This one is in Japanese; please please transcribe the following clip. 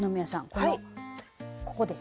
このここですね